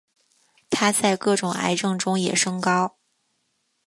它在各种癌症中也升高。